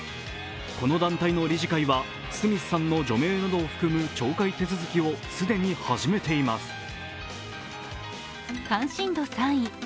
この団体の理事会はスミスさんの除名などを含む懲戒手続きを既に始めています。